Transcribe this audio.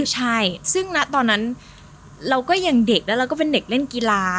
ใช่ซึ่งนะตอนนั้นเราก็ยังเด็กแล้วเราก็เป็นเด็กเล่นกีฬา